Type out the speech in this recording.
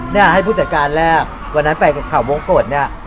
เนี่ยให้ผู้จัดการแรกวันนั้นไปกับเขาวงกฎเนี่ย